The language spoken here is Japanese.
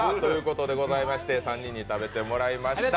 ３人に食べてもらいました。